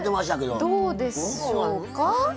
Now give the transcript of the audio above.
どうでしょうか？